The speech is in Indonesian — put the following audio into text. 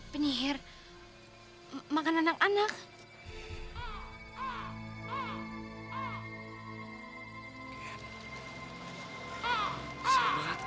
penyihir makan anak anak